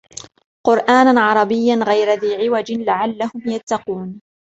قرآنا عربيا غير ذي عوج لعلهم يتقون